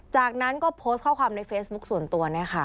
จากนั้นก็โพสต์ข้อความในเฟซบุ๊คส่วนตัว